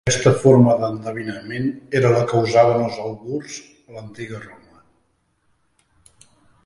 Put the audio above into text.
Aquesta forma d'endevinament era la que usaven els àugurs a l'antiga Roma.